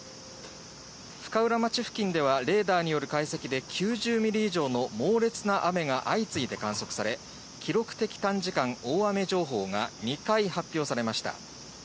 深浦町付近では、レーダーによる解析で９０ミリ以上の猛烈な雨が相次いで観測され、記録的短時間大雨情報が、２回発表されました。